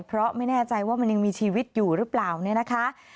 เพราะไม่แน่ใจว่ามันยังมีชีวิตอยู่หรือเปล่าเนี่ยนะคะ